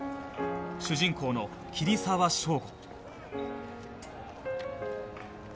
主人公の桐沢祥吾